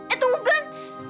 eh tunggu glenn